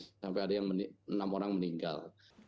sampai ada yang enam orang meninggal